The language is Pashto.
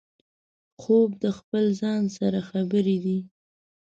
خوب د خپل ځان سره خبرې دي